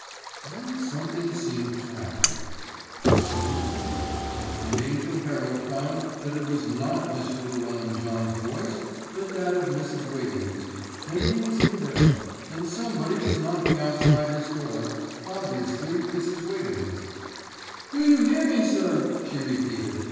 Then something seemed to happen. The scene faded, and Angell Herald found that it was not Mr. Llewellyn John's voice, but that of Mrs. Wiggins; and he was in bed, and somebody was knocking outside his door, obviously Mrs. Wiggins. "Do you hear me, sir?" she repeated.